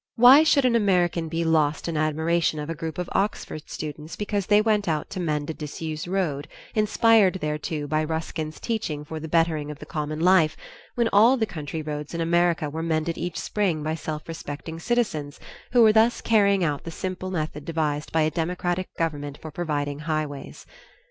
Why should an American be lost in admiration of a group of Oxford students because they went out to mend a disused road, inspired thereto by Ruskin's teaching for the bettering of the common life, when all the country roads in America were mended each spring by self respecting citizens, who were thus carrying out the simple method devised by a democratic government for providing highways.